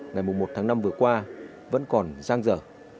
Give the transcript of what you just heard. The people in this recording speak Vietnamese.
ngày một tháng năm vừa qua vẫn còn giang dở